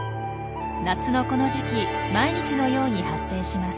夏のこの時期毎日のように発生します。